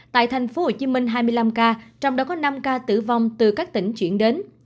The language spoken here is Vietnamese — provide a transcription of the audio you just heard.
tại thành phố hồ chí minh hai mươi năm ca trong đó có năm ca tử vong từ các tỉnh chuyển đến